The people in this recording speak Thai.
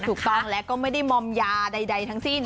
ถูกต้องแล้วก็ไม่ได้มอมยาใดทั้งสิ้น